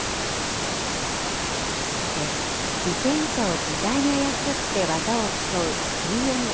さて、自転車を自在に操って技を競うＢＭＸ。